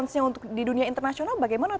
nah untuk di dunia internasional bagaimana tuh